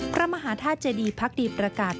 พระมหาธาตุเจดีพักดีประกาศ